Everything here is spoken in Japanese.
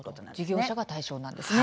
事業者が対象なんですね。